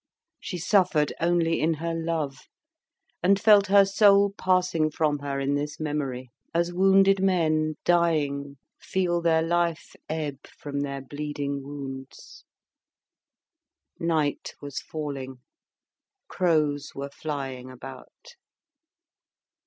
She suffered only in her love, and felt her soul passing from her in this memory; as wounded men, dying, feel their life ebb from their bleeding wounds. Night was falling, crows were flying about.